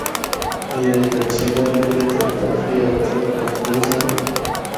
اے ہک ہچھی گل ہے کہ اِتھا کافی ہد تک محفوظ ہن۔